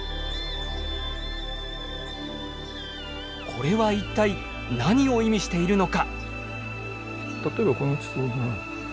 これは一体何を意味しているのか。